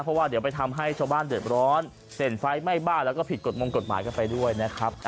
เพราะว่าเดี๋ยวไปทำให้ชาวบ้านเดือดร้อนเสร็จไฟไหม้บ้านแล้วก็ผิดกฎมงกฎหมายกันไปด้วยนะครับ